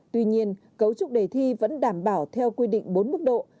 tuy nhiên cấu trúc đề thi vẫn đảm bảo theo quy định bốn mức độ